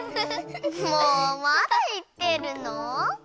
もうまだいってるの？